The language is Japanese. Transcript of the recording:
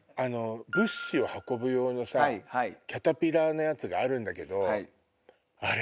物資を運ぶ用のキャタピラーのやつがあるんだけどあれ